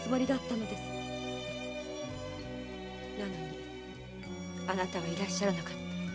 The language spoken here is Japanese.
でもあなたはいらっしゃらなかった。